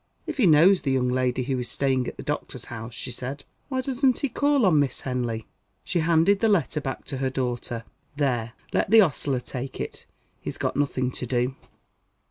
"If he knows the young lady who is staying at the doctor's house," she said, "why doesn't he call on Miss Henley?" She handed the letter back to her daughter. "There! let the ostler take it; he's got nothing to do."